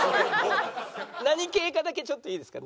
何系かだけちょっといいですか？